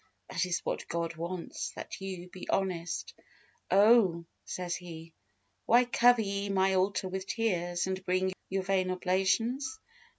That is what God wants that you be honest. "Oh," says He, "why cover ye my altar with tears, and bring your vain oblations?